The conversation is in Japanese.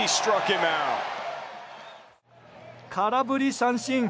空振り三振。